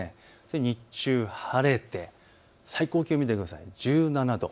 日中晴れて最高気温を見てください、１７度。